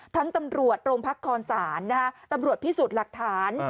ตำรวจโรงพักคอนศาลตำรวจพิสูจน์หลักฐาน